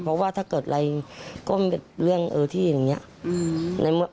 เพราะว่าถ้าเกิดอะไรก็มันเป็นเรื่องเออที่อย่างนี้